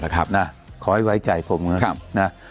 ขอให้ไว้ใจผมนะครับ